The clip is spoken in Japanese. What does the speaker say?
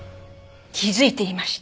気付いていました。